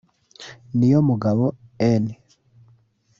Niyomugabo N